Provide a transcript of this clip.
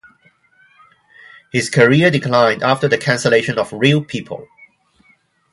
His career declined after the cancellation of "Real People".